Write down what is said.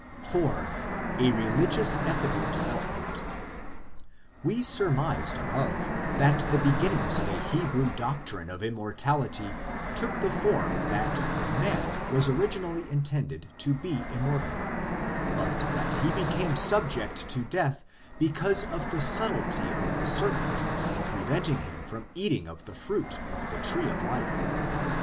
IV. A RELIGIOUS ETHICAL DEVELOPMENT We surmised above that the beginnings of a Hebrew doctrine of Immortality took the form that man was originally intended to be immortal, but that he became subject to death because of the subtlety of the serpent in preventing him from eating of the fruit of the Tree of Life.